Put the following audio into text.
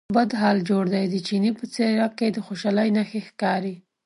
بد حال جوړ دی، د چیني په څېره کې د خوشالۍ نښې ښکارې.